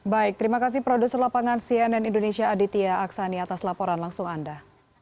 baik terima kasih produser lapangan cnn indonesia aditya aksani atas laporan langsung anda